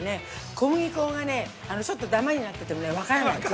小麦粉がちょっとダマになってても分からない。